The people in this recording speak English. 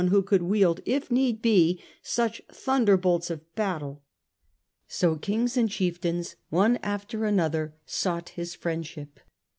140 MS 135 161 Antomnus Pius, 77 could wield, if need be, such thunderbolts of battle. So kings and chieftains, one after another, sought his friendship.